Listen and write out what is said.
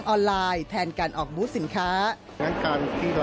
การใช้สิทธิ์ออนไลน์ในการตั้งตลาดของที่ค้า